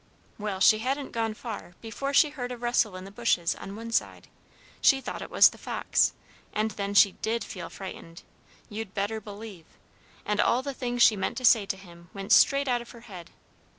"Well, she hadn't gone far before she heard a rustle in the bushes on one side. She thought it was the fox, and then she did feel frightened, you'd better believe, and all the things she meant to say to him went straight out of her head.